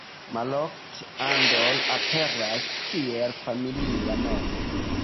Malofte Andor aperas kiel familia nomo.